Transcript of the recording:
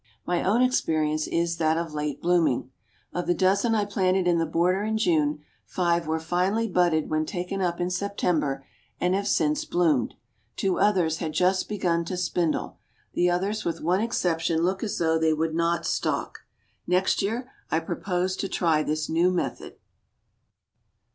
My own experience is that of late blooming. Of the dozen I planted in the border in June, five were finely budded when taken up in September, and have since bloomed. Two others had just begun to spindle, the others with one exception look as though they would not stalk. Next year I purpose to try this new method.